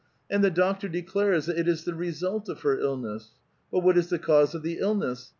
And the doctor declares that it is the result of her illness. But what is the cause of the illness?